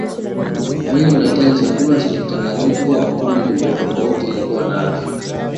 Mwili unahitaji chakula chenye mchanganyiko wa makundi tofauti tofauti ili kuwa na afya